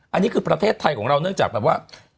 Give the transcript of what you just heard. อันนี้คือประเทศไทยของเราเนื่องจากแบบว่า